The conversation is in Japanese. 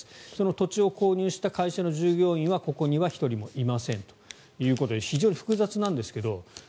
土地を購入した会社の従業員はここには１人もいませんということで非常に複雑なんですけれど